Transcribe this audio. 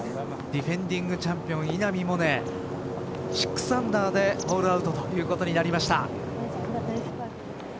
ディフェンディングチャンピオン、稲見萌寧６アンダーでホールアウトということになりました。